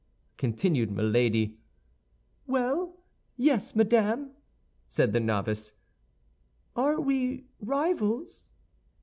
continued Milady. "Well, yes, madame," said the novice, "Are we rivals?"